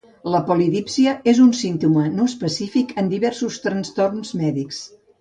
La polidípsia és un símptoma no específic en diversos trastorns mèdics.